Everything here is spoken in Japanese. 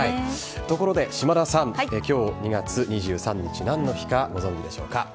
ところで、島田さん、きょう２月２３日、なんの日かご存じでしょうか。